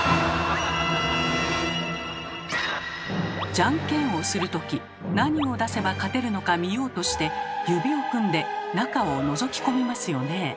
じゃんけんをする時何を出せば勝てるのか見ようとして指を組んで中をのぞき込みますよねえ。